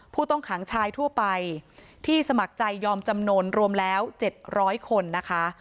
ผู้ต้องขังชายทั่วไปที่สมัครใจยอมจำนวนรวมแล้ว๗๐๐คนนะคะ